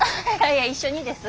いや一緒にです。